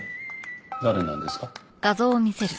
誰なんですか？